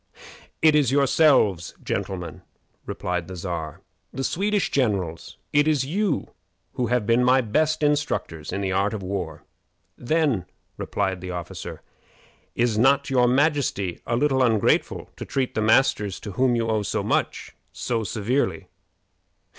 "It is yourselves, gentlemen," replied the Czar; "the Swedish generals. It is you who have been my best instructors in the art of war." "Then," replied the officer, "is not your majesty a little ungrateful to treat the masters to whom you owe so much so severely?"